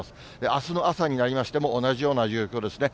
あすの朝になりましても、同じような状況ですね。